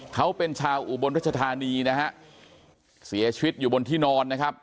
เขาเป็นชาวอุบลรัชธานีนะฮะเสียชีวิตอยู่บนที่นอนนะครับ